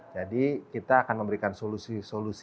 jadi kita akan memberikan solusi solusi